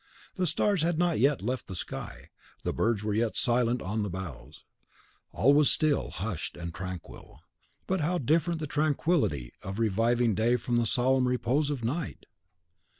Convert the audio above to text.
The stars had not yet left the sky, the birds were yet silent on the boughs: all was still, hushed, and tranquil; but how different the tranquillity of reviving day from the solemn repose of night!